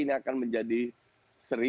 ini akan menjadi seri